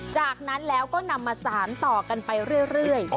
จากนั้นแล้วก็นำมาสารต่อกันไปเรื่อย